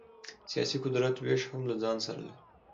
سیاسي قدرت وېش هم له ځان سره لري.